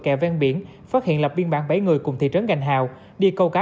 kẻ ven biển phát hiện lập biên bản bảy người cùng thị trấn gành hào đi câu cá